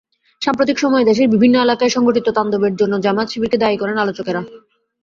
সাম্প্রতিক সময়ে দেশের বিভিন্ন এলাকায় সংঘটিত তাণ্ডবের জন্য জামায়াত-শিবিরকে দায়ী করেন আলোচকেরা।